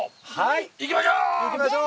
行きましょう！